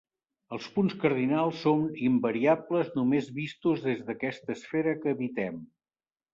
Els punts cardinals són invariables només vistos des d'aquesta esfera que habitem.